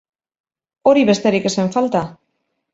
Hori besterik ez zen falta.